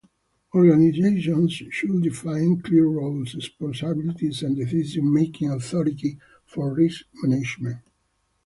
Organizations should define clear roles, responsibilities, and decision-making authority for risk management.